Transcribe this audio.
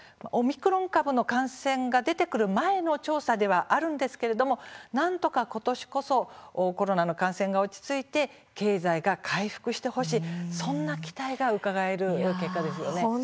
オミクロン株の感染が出てくる前の調査でもあるんですがなんとか、ことしこそコロナの感染が落ち着いて経済が回復してほしいそんな期待がうかがえる結果ですね。